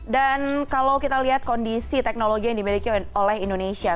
dan kalau kita lihat kondisi teknologi yang dimiliki oleh indonesia